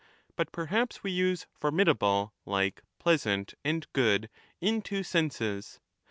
But perhaps we use ' formidable '— like ' pleasant ' and ' good '— in two senses.